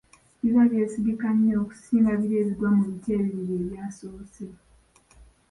Biba byesigika nnyo okusinga biri ebigwa mu biti ebibiri ebyasoose.